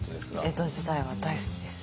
江戸時代は大好きです。